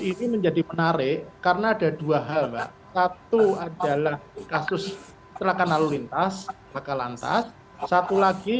ini menjadi menarik karena ada dua hal mbak satu adalah kasus kecelakaan lalu lintas maka lantas satu lagi